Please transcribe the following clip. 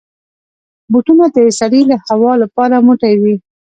بوټونه د سړې هوا لپاره موټی وي.